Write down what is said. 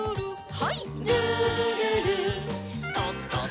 はい。